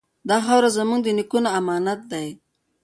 دا خاوره زموږ د نیکونو امانت دی.